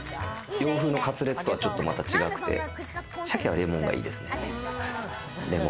洋風のカツレツとはちょっとまた違くて、サケはレモンがいいですね。